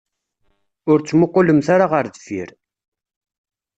Ur ttmuqulemt ara ɣer deffir.